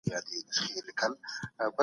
کارونه باید د تخصص پر بنسټ وي.